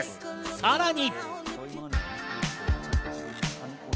さらに。